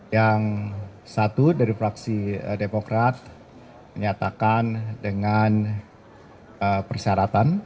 yang satu dari fraksi demokrat menyatakan dengan persyaratan